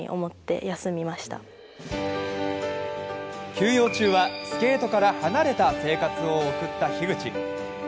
休養中は、スケートから離れた生活を送った樋口。